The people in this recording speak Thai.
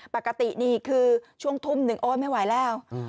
ปกตินี่คือช่วงทุ่มหนึ่งโอ๊ยไม่ไหวแล้ว